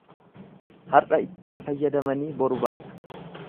Har'a ittiin fayyadamanii boru baasu.